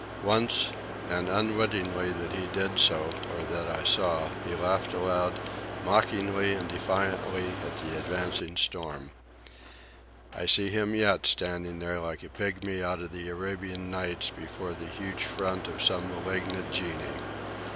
Once, and unwitting that he did so or that I saw, he laughed aloud, mockingly and defiantly, at the advancing storm. I see him yet standing there like a pigmy out of the Arabian Nights before the huge front of some malignant genie.